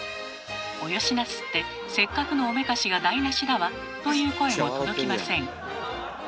「およしなすってせっかくのおめかしが台なしだわ」という声も届きません。